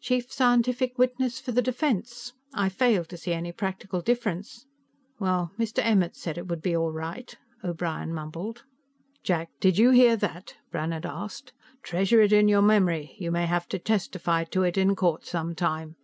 "Chief scientific witness for the defense; I fail to see any practical difference." "Well, Mr. Emmert said it would be all right," O'Brien mumbled. "Jack, did you hear that?" Brannhard asked. "Treasure it in your memory. You may have to testify to it in court sometime."